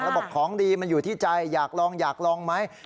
แล้วบอกของดีมันอยู่ที่ใจอยากลองอยากลองไหม